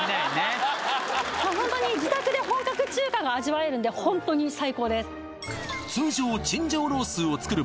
ホントに自宅で本格中華が味わえるんでホントに最高です通常青椒肉絲を作る場合